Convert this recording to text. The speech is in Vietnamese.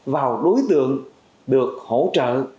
vào đối tượng được hỗ trợ